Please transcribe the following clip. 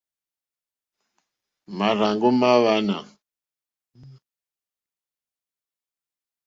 Márzòŋɡá mâ hwánà.